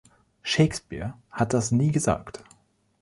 Shakespeare hat das nie gesagt.